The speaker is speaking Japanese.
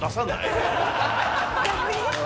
逆に？